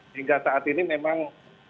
hingga saat ini memang